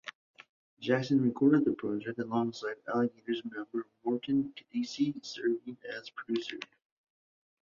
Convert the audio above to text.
Jackson recorded the project alongside Alligators member Morten Kjeldsen serving as producer.